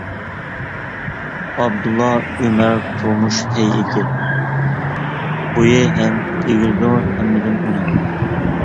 ئابدۇللا ئۆمەر تۇرمۇش ھەيئىتى، بويى ھەم ئېگىزدۇر ھەممىدىن ئۇنىڭ.